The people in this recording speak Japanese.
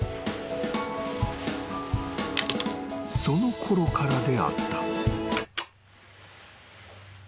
［そのころからであった］